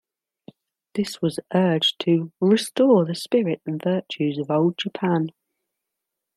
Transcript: This was urged to "restore the spirit and virtues of old Japan".